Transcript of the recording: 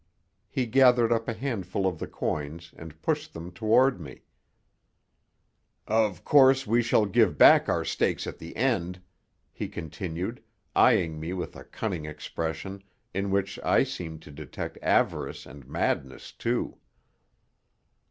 He gathered up a handful of the coins and pushed them toward me. "Of course, we shall give back our stakes at the end," he continued, eyeing me with a cunning expression, in which I seemed to detect avarice and madness, too.